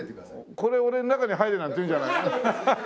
これ俺に中に入れなんて言うんじゃない？